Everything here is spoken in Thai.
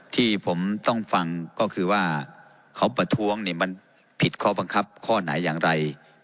ที่ผมต้องฟังก็คือว่าเขาประท้วงเนี่ยมันผิดข้อบังคับข้อไหนอย่างไร